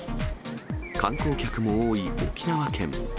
観光客も多い沖縄県。